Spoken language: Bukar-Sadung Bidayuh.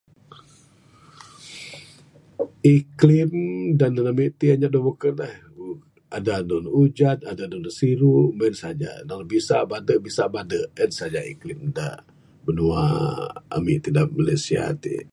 Iklim da nehen ami ti anyap da beken eh...adeh andu ne ujan adeh andu ne siru...meng saja naung bisa bade bisa bade...en saja iklim da binua ami ti da Malaysia ti.